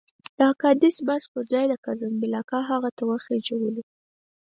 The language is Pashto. د اګادیر بس پر ځای د کزنبلاکه هغه ته وخېژولو.